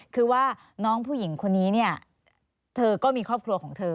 คือว่าน้องผู้หญิงคนนี้เนี่ยเธอก็มีครอบครัวของเธอ